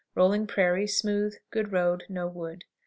Rolling prairie; smooth, good road; no wood.